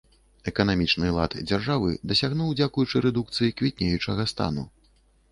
Эканамічны лад дзяржавы дасягнуў дзякуючы рэдукцыі квітнеючага стану.